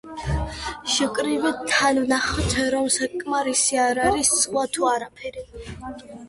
შევკრიბოთ, თან ვნახავთ, რომ საკმარისი არ არის, სხვა თუ არაფერი.